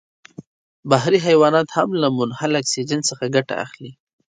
بحري حیوانات هم له منحل اکسیجن څخه ګټه اخلي.